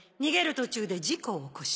途中で事故を起こした。